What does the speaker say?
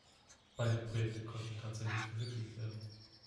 Beide Projekte konnten tatsächlich verwirklicht werden.